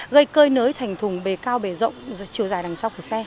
gây cơi nới thành thùng bề cao bề rộng chiều dài đằng sau của xe